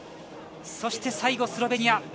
そして最後スロベニア。